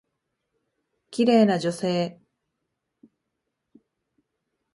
綺麗な女性。